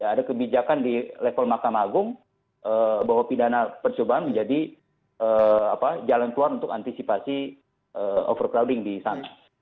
ada kebijakan di level makam agung bahwa pidana percobaan menjadi jalan keluar untuk antisipasi overcrowding di sana